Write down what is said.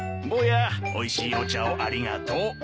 坊やおいしいお茶をありがとう。